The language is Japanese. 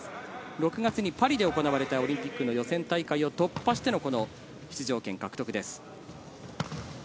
６月にパリで行われたオリンピックの予選大会を突破しての出場権獲得です。